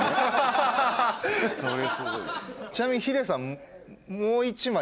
ちなみにヒデさん。